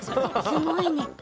すごいね。